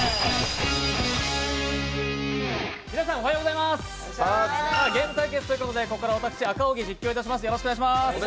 おはようございますゲーム対決ということで、ここから私、赤荻が実況いたします。